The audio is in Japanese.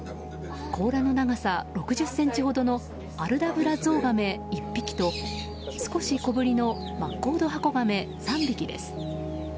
甲羅の長さ６０ｃｍほどのアルダブラゾウガメ１匹と少し小ぶりのマッコードハコガメ３匹です。